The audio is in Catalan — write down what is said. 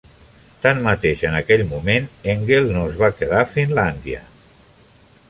Tanmateix, en aquell moment, Engel no es va quedar a Finlàndia.